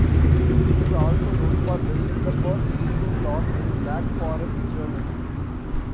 He is also known for building the first cuckoo clock in Black Forest, Germany.